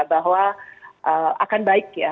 bahwa akan baik ya